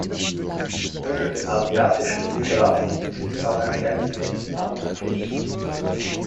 Unter den asiatischen Immigranten ist auch ein kleines Mädchen namens Kim.